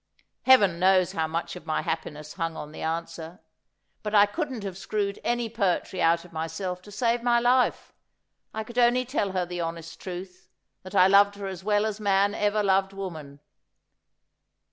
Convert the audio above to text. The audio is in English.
Heaven knows how much of my happiness hung on the answer ; but I couldn't have screwed any poetry out of myself to save my life. I could only tell her the honest truth — that I loved her as well as man ever loved woman.'